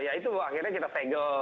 ya itu akhirnya kita segel